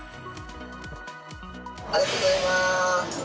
「ありがとうございます」。